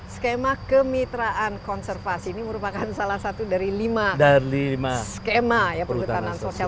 skema kemitraan konservasi ini merupakan salah satu dari lima skema ya perhutanan sosial